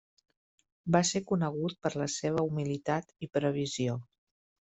Va ser conegut per la seva humilitat i previsió.